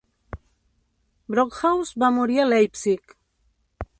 Brockhaus va morir a Leipzig.